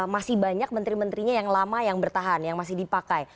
masih banyak menteri menterinya yang lama yang bertahan yang masih dipakai